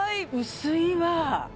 薄いわ。